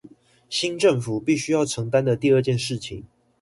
新政府必須要承擔的第二件事情